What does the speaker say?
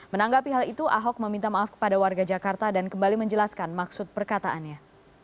menanggapi hal itu ahok meminta maaf kepada warga jakarta dan kembali menjelaskan maksud perkataannya